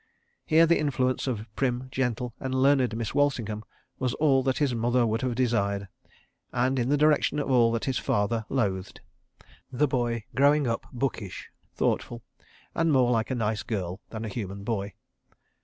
Here the influence of prim, gentle, and learned Miss Walsingham was all that his mother would have desired, and in the direction of all that his father loathed—the boy growing up bookish, thoughtful, and more like a nice girl than a human boy.